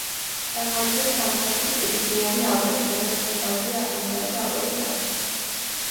წარმოადგენს სამხრეთი კირქვიანი ალპებისა და ცენტრალური აღმოსავლეთი ალპების ნაწილს.